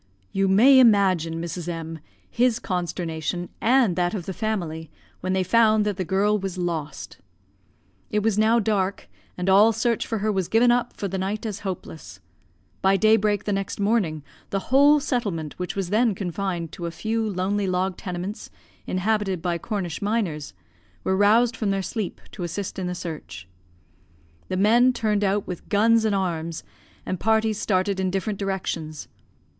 "You may imagine, Mrs. M , his consternation and that of the family, when they found that the girl was lost. "It was now dark, and all search for her was given up for the night as hopeless. By day break the next morning, the whole settlement, which was then confined to a few lonely log tenements inhabited by Cornish miners, were roused from their sleep to assist in the search. "The men turned out with guns and arms, and parties started in different directions.